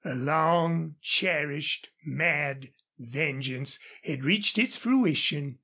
A long cherished mad vengeance had reached its fruition.